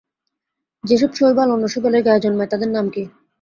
যেসব শৈবাল অন্য শৈবালের গায়ে জন্মায় তাদের নাম কী?